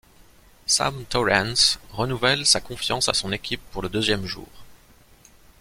Sam Torrance renouvelle sa confiance à son équipe pour le deuxième jour.